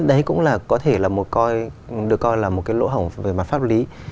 đấy cũng có thể được coi là một lỗ hổng về mặt pháp lý